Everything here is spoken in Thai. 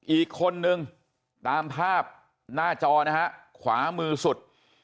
อีกคนนึงตามภาพหน้าจอนะฮะขวามือสุด